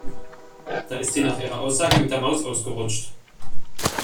Da ist sie nach ihrer Aussage mit der Maus ausgerutscht.